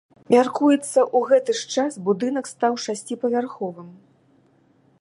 Мяркуецца, у гэты ж час будынак стаў шасціпавярховы.